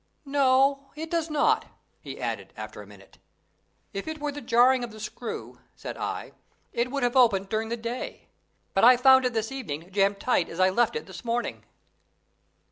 "No, it does not," he added, after a minute. "If it were the jarring of the screw," said I, "it would have opened during the day; but I found it this evening jammed tight as I left it this morning."